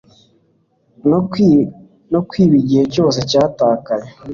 no kwiba igihe cyose cyatakaye